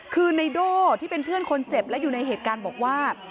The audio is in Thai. คือไนโด่ที่เป็นเพื่อนคนเจ็บและอยู่ในเหตุการณ์บอกว่า